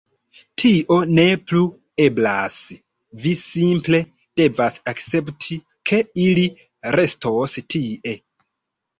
Tio ne plu eblas. Vi simple devas akcepti, ke ili restos tie.